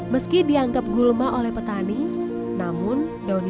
meski dianggap gulma oleh petani namun daunnya juga ganda